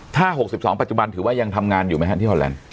ถ้า๖๒ปัจจุบันถือว่ายังทำงานอยู่ไหมฮะที่ฮอนแลนด์